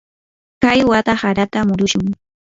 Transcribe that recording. kay wata harata murushun.